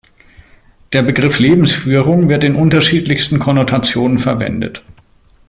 Der Begriff Lebensführung wird in unterschiedlichsten Konnotationen verwendet.